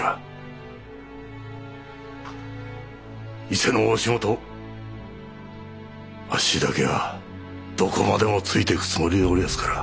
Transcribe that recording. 伊勢の大仕事あっしだけはどこまでもついていくつもりでおりやすから。